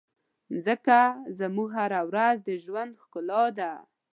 مځکه زموږ هره ورځ د ژوند ښکلا ده.